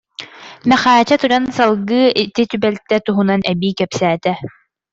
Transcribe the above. Мэхээчэ туран, салгыы ити түбэлтэ туһунан эбии кэпсээтэ